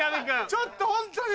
ちょっとホントに。